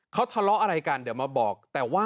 เขาทะเลาะอะไรกันเดี๋ยวมาบอก